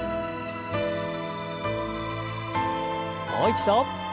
もう一度。